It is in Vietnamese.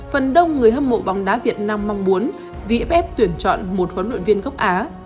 phần đông người hâm mộ bóng đá việt nam mong muốn vff tuyển chọn một huấn luyện viên gốc á